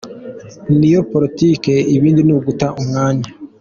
Niyo politiki ibindi ni uguta umwanya.